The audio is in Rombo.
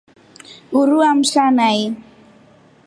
Uhuru avamsha nai.